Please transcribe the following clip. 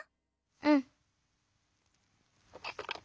うん。